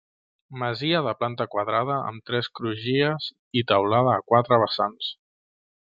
Masia de planta quadrada amb tres crugies i teulada a quatre vessants.